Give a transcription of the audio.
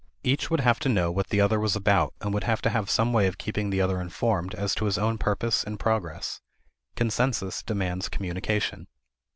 Each would have to know what the other was about and would have to have some way of keeping the other informed as to his own purpose and progress. Consensus demands communication.